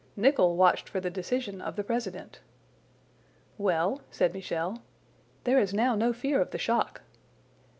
Nicholl watched for the decision of the president. "Well?" said Michel. "There is now no fear of the shock!"